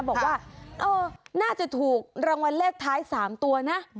บอกว่าน่าจะถูกรางวัลเลขท้าย๓ตัวนะ